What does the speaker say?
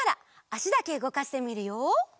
あしだけうごかしてみるよ。